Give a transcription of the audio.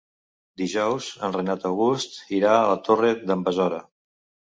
Dijous en Renat August irà a la Torre d'en Besora.